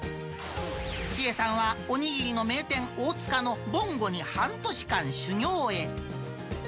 千恵さんはお握りの名店、大塚のぼんごに半年間修業へ。